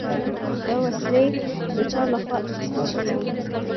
دا وسلې د چا له خوا اخیستل شوي دي؟